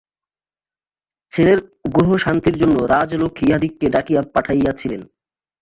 ছেলের গ্রহশান্তির জন্য রাজলক্ষ্মী ইহাদিগকে ডাকিয়া পাঠাইয়াছিলেন।